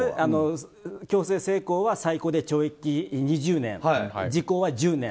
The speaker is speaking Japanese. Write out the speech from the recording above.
強制性交は最高で懲役２０年時効は１０年。